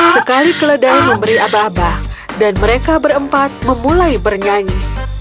sekali keledai memberi abah abah dan mereka berempat memulai bernyanyi